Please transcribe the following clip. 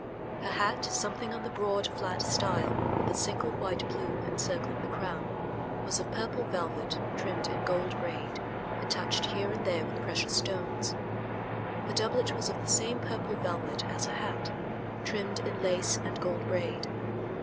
Her hat, something on the broad, flat style with a single white plume encircling the crown, was of purple velvet trimmed in gold braid and touched here and there with precious stones. Her doublet was of the same purple velvet as her hat, trimmed in lace and gold braid.